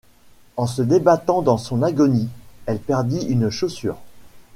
En se débattant dans son agonie, elle perdit une chaussure.